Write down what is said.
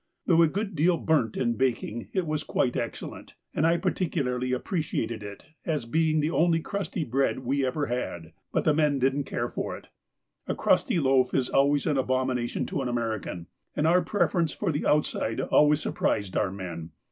Though a good deal burnt in baking, it was quite excellent, and I particularly appreciated it as being the only crusty bread we ever had, but the men didn't care for it. A crusty loaf is always an abomination to an American, and our preference for the outside always surprised our men.